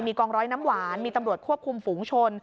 กองร้อยน้ำหวานมีตำรวจควบคุมฝูงชน